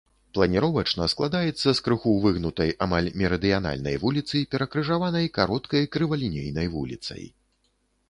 Планіровачна складаецца з крыху выгнутай амаль мерыдыянальнай вуліцы, перакрыжаванай кароткай крывалінейнай вуліцай.